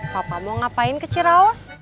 papa mau ngapain ke ciraos